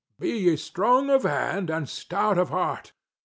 Be ye strong of hand and stout of heart.